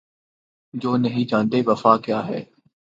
جو نہیں جانتے وفا کیا ہے